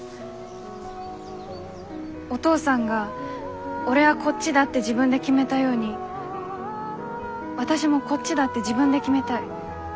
お父さんが俺はこっちだって自分で決めたように私もこっちだって自分で決めたい。